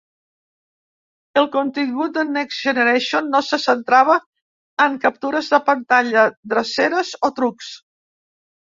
El contingut de "Next Generation" no se centrava en captures de pantalla, dreceres o trucs.